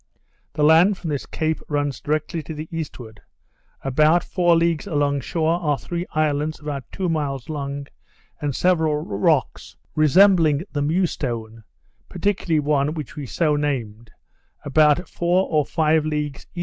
The land from this cape runs directly to the eastward; about four leagues along shore are three islands about two miles long, and several rocks, resembling the Mewstone, (particularly one which we so named,) about four or five leagues E.